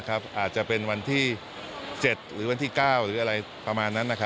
อาจจะเป็นวันที่๗หรือวันที่๙หรืออะไรประมาณนั้น